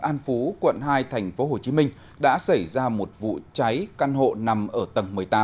an phú quận hai thành phố hồ chí minh đã xảy ra một vụ cháy căn hộ nằm ở tầng một mươi tám